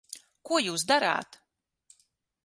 Ko jūs darāt?